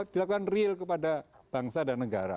dilakukan real kepada bangsa dan negara